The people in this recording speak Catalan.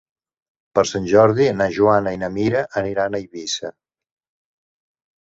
Per Sant Jordi na Joana i na Mira aniran a Eivissa.